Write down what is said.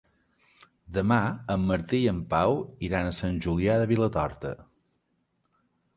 Demà en Martí i en Pau iran a Sant Julià de Vilatorta.